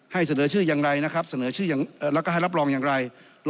ให้เสนอชื่อยังไรแล้วก็ให้รับรองอยังไร